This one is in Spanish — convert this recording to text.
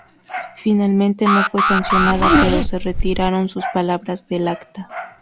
Finalmente no fue sancionada, pero se retiraron sus palabras del acta.